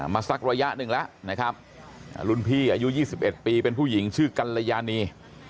สักระยะหนึ่งแล้วนะครับรุ่นพี่อายุ๒๑ปีเป็นผู้หญิงชื่อกัลยานี